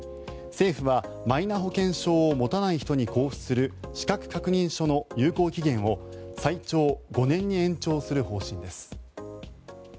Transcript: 政府はマイナ保険証を持たない人に交付する資格確認書の有効期限を最長５年に延長する方針です。